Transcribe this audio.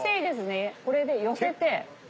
これで寄せて。